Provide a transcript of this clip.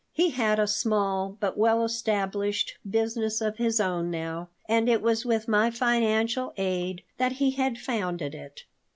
He had a small, but well established, business of his own now, and it was with my financial aid that he had founded it.